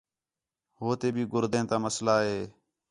ہوتے بھی گُردیں تا مسئلہ ہِے